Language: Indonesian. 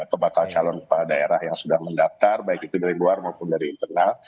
atau bakal calon kepala daerah yang sudah mendaftar baik itu dari luar maupun dari internal